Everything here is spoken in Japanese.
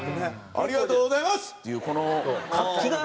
「ありがとうございます！」っていうこの活気が。